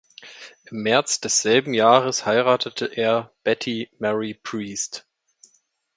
Im März desselben Jahres heiratete er Betty Mary Priest.